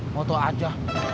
mau tau aja